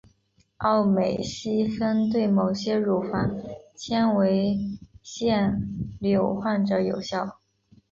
奥美昔芬对某些乳房纤维腺瘤患者有效。